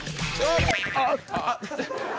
あっ。